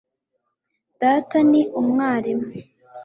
data ni umwarimu